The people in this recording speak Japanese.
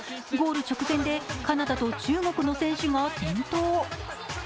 ゴール直前でカナダと中国の選手が転倒。